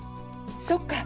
そっか！